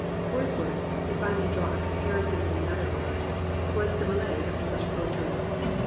Wordsworth, if I may draw a comparison from another art, was the Millet of English poetry.